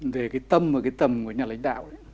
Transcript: về cái tâm và cái tầm của nhà lãnh đạo ấy